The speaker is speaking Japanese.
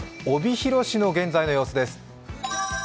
帯広市の現在の様子です。